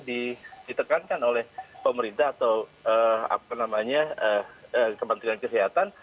ditekankan oleh pemerintah atau kementerian kesehatan